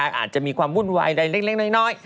อาจจะมีความวุ่นวายใดเล็กน้อย